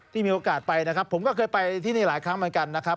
มีโอกาสไปนะครับผมก็เคยไปที่นี่หลายครั้งเหมือนกันนะครับ